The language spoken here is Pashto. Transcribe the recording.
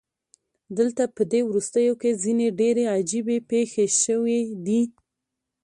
دلته پدې وروستیو کې ځینې ډیرې عجیبې پیښې شوې دي